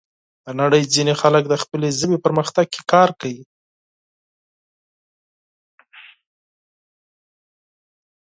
د نړۍ ځینې خلک د خپلې ژبې په پرمختګ کې کار کوي.